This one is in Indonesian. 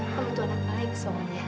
kamu tuan yang baik soalnya